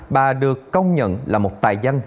bà được công nhận là một tài danh